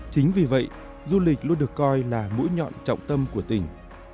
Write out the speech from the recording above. chính vì vậy du lịch luôn được coi là mũi nhọn trọng tâm của tỉnh